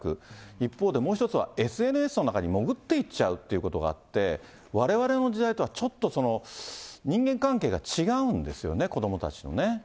一方で、もう一つはＳＮＳの中に潜っていっちゃうっていうことがあって、われわれの時代とはちょっと、人間関係が違うんですよね、子どもたちのね。